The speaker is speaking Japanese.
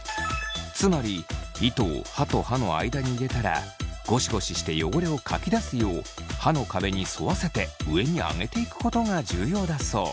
つまり糸を歯と歯の間に入れたらゴシゴシして汚れをかき出すよう歯の壁に沿わせて上にあげていくことが重要だそう。